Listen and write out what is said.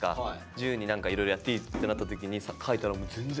自由に何かいろいろやっていいってなった時に描いたらもう全然。